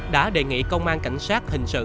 đã đề nghị công an cảnh sát hình sự